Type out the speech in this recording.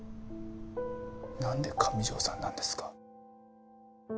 なんで上條さんなんですか。